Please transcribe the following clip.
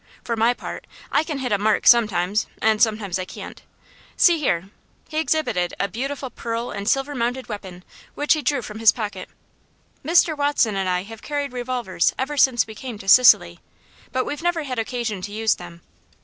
For my part, I can hit a mark sometimes, and sometimes I can't. See here." He exhibited a beautiful pearl and silver mounted weapon which he drew from his pocket. "Mr. Watson and I have carried revolvers ever since we came to Sicily, but we've never had occasion to use them.